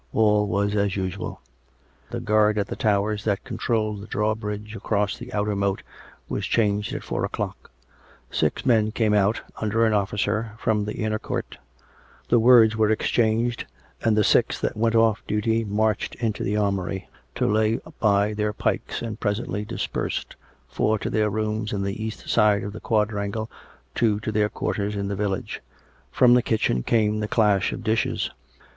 All was as usual. The guard at the towers that controlled the drawbridge across the outer moat was changed at four o'clock; six men came out, under an officer, from the inner court; the words were exchanged, and the six that went off duty marched in to the armoury to lay by their pikes and presently dispersed, four to their rooms in the east side of the quadrangle, two to their quarters in the village. From the kitchen came the clash of dishes.